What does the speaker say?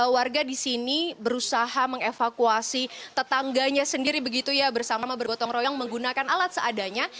warga di sini berusaha mengevakuasi tetangganya sendiri begitu ya bersama bergotong royong menggunakan alat seadanya